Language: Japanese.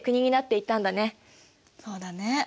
そうだね。